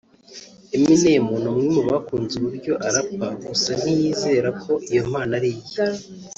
Eminem ni umwe mu bakunze uburyo arapa gusa ntiyizera ko iyo mpano ari iye